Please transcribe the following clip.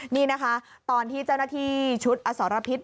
นี่นะคะตอนที่เจ้าหน้าที่ชุดอสรพิษ